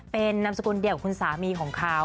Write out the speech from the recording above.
เป็นนามสกุลเดียวกับคุณสามีของเขา